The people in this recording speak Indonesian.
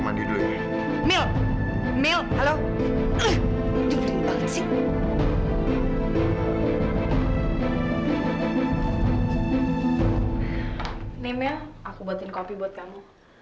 nih mil aku buatin kopi buat kamu